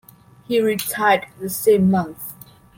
He retired the same month.